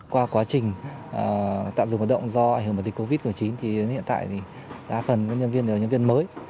qua quá trình tạm dừng hoạt động do ảnh hưởng của dịch covid một mươi chín hiện tại đa phần nhân viên là nhân viên mới